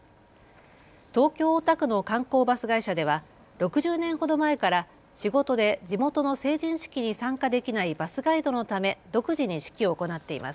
東京大田区の観光バス会社では６０年ほど前から仕事で地元の成人式に参加できないバスガイドのため独自に式を行っています。